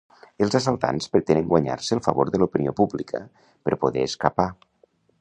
Els assaltants pretenen guanyar-se el favor de l'opinió pública per poder escapar.